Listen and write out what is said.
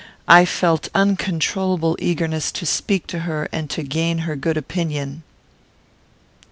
I felt uncontrollable eagerness to speak to her, and to gain her good opinion.